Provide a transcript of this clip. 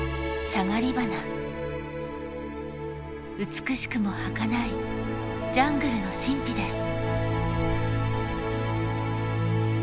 美しくもはかないジャングルの神秘です。